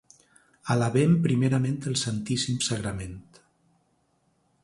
Alabem primerament el Santíssim Sagrament.